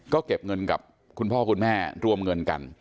ก็เก็บเงินกับคุณพ่อคุณแม่รวมเงินกัน